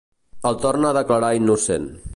El torna a declarar innocent.